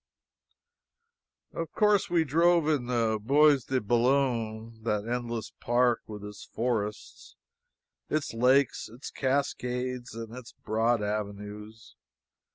Of course we drove in the Bois de Boulogne, that limitless park, with its forests, its lakes, its cascades, and its broad avenues.